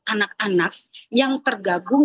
anak anak yang tergabung